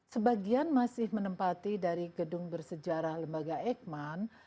sebagian masih menempati dari gedung bersejarah lembaga eijkman